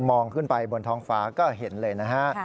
ขึ้นไปบนท้องฟ้าก็เห็นเลยนะฮะ